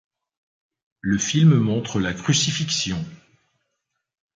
Le film montre la Crucifixion.